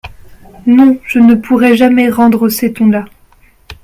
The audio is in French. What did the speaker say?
Non, je ne pourrai jamais rendre ces tons-là…